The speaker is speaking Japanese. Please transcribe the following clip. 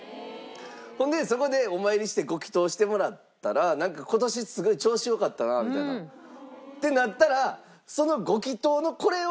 ほんでそこでお参りしてご祈祷してもらったらなんか今年すごい調子良かったなみたいな。ってなったらそのご祈祷のこれを。